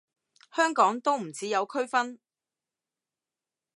香港都唔似有區分